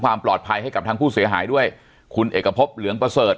ความปลอดภัยให้กับทางผู้เสียหายด้วยคุณเอกพบเหลืองประเสริฐ